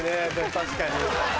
確かに。